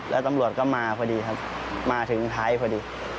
แล้วตำรวจก็มาพอดีครับมาถึงท้ายพอดี